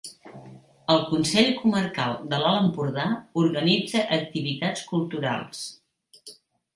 El Consell Comarcal de l'Alt Empordà organitza activitats culturals.